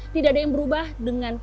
tidak ada perubahan